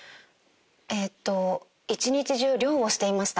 えっと一日中猟をしていました。